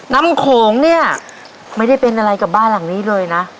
โขงเนี่ยไม่ได้เป็นอะไรกับบ้านหลังนี้เลยนะ